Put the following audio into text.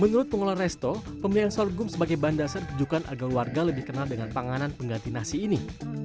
menurut pengelola resto pembelian sorghum sebagai bahan dasar ditujukan agar warga lebih kenal dengan panganan pengganti nasi ini